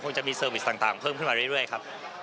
จะมีเซอร์วิสต่างเพิ่มขึ้นมาเรื่อยครับ